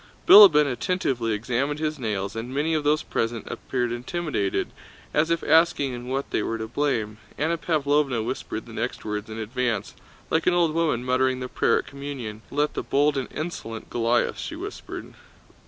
Bilíbin attentively examined his nails, and many of those present appeared intimidated, as if asking in what they were to blame. Anna Pávlovna whispered the next words in advance, like an old woman muttering the prayer at Communion: "Let the bold and insolent Goliath..." she whispered.